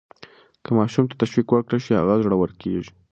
که ماشوم ته تشویق ورکړل شي، هغه زړور کیږي.